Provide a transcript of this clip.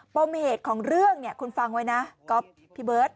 ปมเหตุของเรื่องเนี่ยคุณฟังไว้นะก๊อฟพี่เบิร์ต